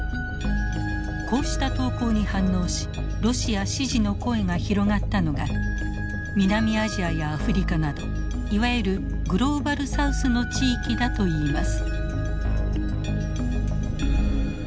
こうした投稿に反応しロシア支持の声が広がったのが南アジアやアフリカなどいわゆるグローバルサウスの地域だといいます。